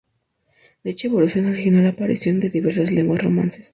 Dicha evolución originó la aparición de las diversas lenguas romances.